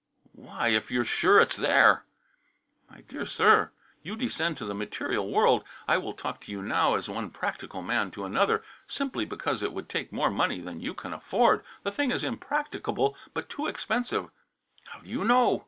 "Why, if you're sure it's there?" "My dear sir, you descend to the material world. I will talk to you now as one practical man to another. Simply because it would take more money than you can afford. The thing is practicable but too expensive." "How do you know?"